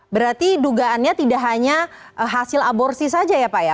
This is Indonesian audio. berarti dugaannya tidak hanya hasil aborsi saja ya pak ya